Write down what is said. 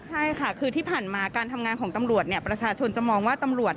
ใช่ค่ะคือที่ผ่านมาการทำงานของตำรวจเนี่ยประชาชนจะมองว่าตำรวจ